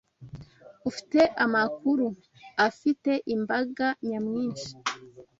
Ufite amakuru afitiye imbaga nyamwinshi